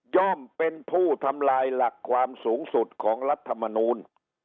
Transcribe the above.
่อมเป็นผู้ทำลายหลักความสูงสุดของรัฐมนูล